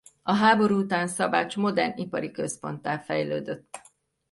A háború után Szabács modern ipari központtá fejlődött.